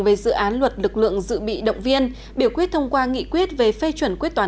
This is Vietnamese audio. về dự án luật lực lượng dự bị động viên biểu quyết thông qua nghị quyết về phê chuẩn quyết toán